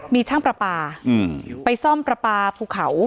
มีช่างปปลาไปซ่อมปปลาภูเขา